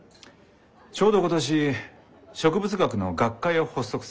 ちょうど今年植物学の学会を発足させたんだよ。